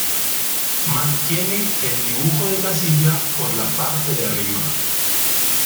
Mantiene el dibujo de la silla por la parte de arriba.